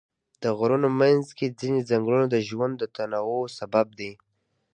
د غرونو منځ کې ځینې ځنګلونه د ژوند د تنوع سبب دي.